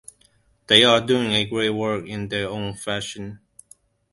They are doing a great work in their own fashion.